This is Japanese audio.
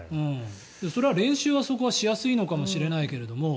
それは練習はそこはしやすいのかもしれないけれども。